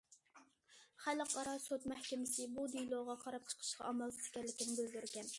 خەلقئارا سوت مەھكىمىسى بۇ دېلوغا قاراپ چىقىشقا ئامالسىز ئىكەنلىكىنى بىلدۈرگەن.